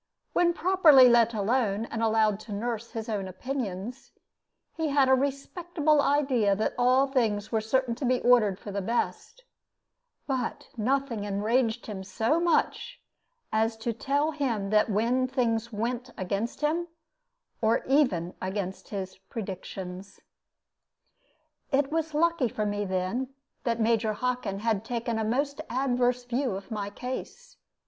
When properly let alone, and allowed to nurse his own opinions, he had a respectable idea that all things were certain to be ordered for the best; but nothing enraged him so much as to tell him that when things went against him, or even against his predictions. It was lucky for me, then, that Major Hockin had taken a most adverse view of my case.